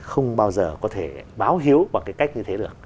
không bao giờ có thể báo hiếu bằng cái cách như thế được